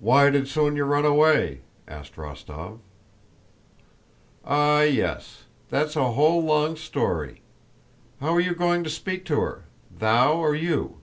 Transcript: "Why did Sónya run away?" asked Rostóv. "Ah, yes! That's a whole long story! How are you going to speak to her—thou or you?"